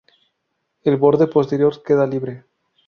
El borde posterior queda libre.